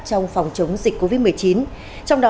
trong phòng chống dịch covid một mươi chín